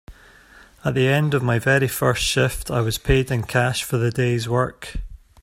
At the end of my very first shift, I was paid in cash for the day’s work.